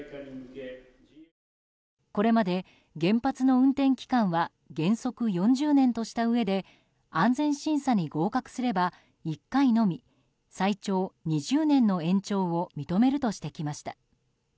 これまで、原発の運転期間は原則４０年としたうえで安全審査に合格すれば１回のみ最長２０年の延長を認めるとしてきました。